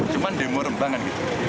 cuma demo rembangan